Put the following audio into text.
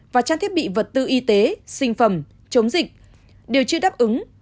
và trang thiết bị vật tư y tế sinh phẩm chống dịch đều chưa đáp ứng